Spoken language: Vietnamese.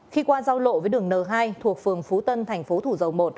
khi qua giao lộ với đường n hai thuộc phường phú tân thành phố thủ dầu một